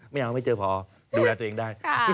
ไม่เอาไม่เจอพอดูแลตัวเองได้